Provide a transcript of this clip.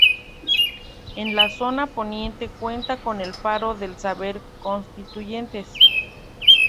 En la zona Poniente cuenta con el Faro del saber Constituyentes.